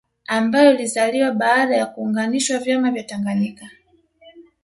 Ambayo ilizaliwa baada ya kuunganisha vyama vya Tanganyika